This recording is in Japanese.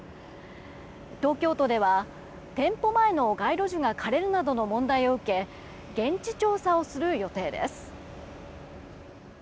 東京都では、店舗前の街路樹が枯れるなどの問題を受け現地調査をする予定です。